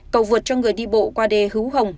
cầu vượt cho người đi bộ qua đề hứu hồng